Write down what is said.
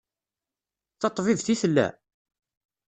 D taṭbibt i tella?